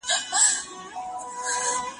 ترپښو لاندې سبزه ده